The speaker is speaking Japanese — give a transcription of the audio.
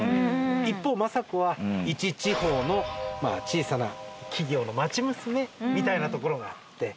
一方政子はいち地方の小さな企業の町娘みたいなところがあって。